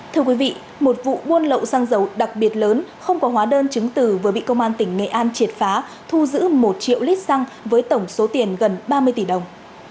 thưa quý vị một vụ buôn lậu xăng dầu đặc biệt lớn không có hóa đơn chứng từ vừa bị công an tỉnh nghệ an triệt phá thu giữ một triệu lít xăng với tổng số tiền gần ba mươi tỷ đồng